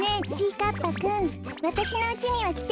かっぱくんわたしのうちにはきてないわよね。